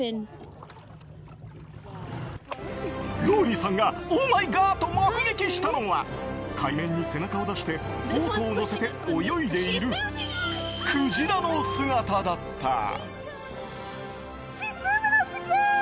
ローリーさんがオーマイガーと目撃したのは海面に背中を出してボートを乗せて泳いでいるクジラの姿だった。